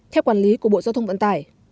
theo quản lý của bộ giao thông vận tài